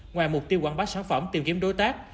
ngoài mục tiêu quảng bá sản phẩm tìm kiếm đối tác